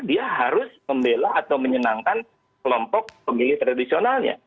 dia harus membela atau menyenangkan kelompok pemilih tradisionalnya